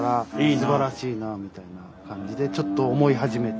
すばらしいなみたいな感じでちょっと思い始めた。